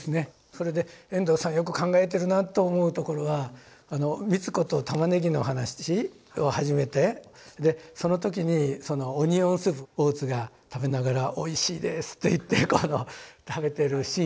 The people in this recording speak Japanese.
それで遠藤さんよく考えてるなと思うところは美津子と玉ねぎの話を始めてでその時にオニオンスープ大津が食べながら「おいしいです」って言ってこの食べてるシーンを出してくるんですけれども。